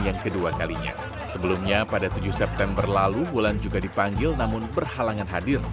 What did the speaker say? yang kedua kalinya sebelumnya pada tujuh september lalu wulan juga dipanggil namun berhalangan hadir